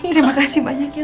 terima kasih banyak ya